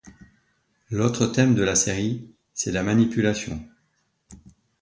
L'autre thème de la série c'est la manipulation.